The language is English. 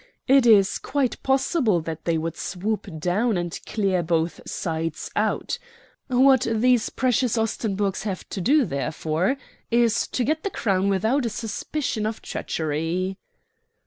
It is quite possible that they would swoop down and clear both sides out. What these precious Ostenburgs have to do, therefore, is to get the Crown without a suspicion of treachery."